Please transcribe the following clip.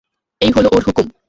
এই হল ওঁর হুকুম।